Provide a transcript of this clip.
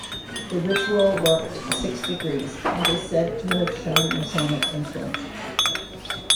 The ritual worked six degrees and is said to have shown Masonic influence.